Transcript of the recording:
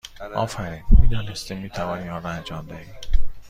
آفرین! می دانستیم می توانی آن را انجام دهی!